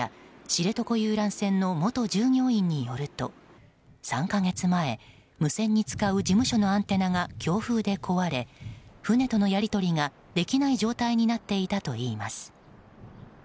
知床遊覧船の元従業員によると３か月前、無線に使う事務所のアンテナが強風で壊れ、船とのやり取りができない状態になっていたといいます。